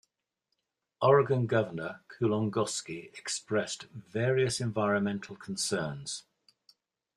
Oregon Governor Kulongoski expressed various environmental concerns.